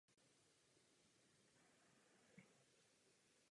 Po skončení finále byly zveřejněny výsledky hlasování.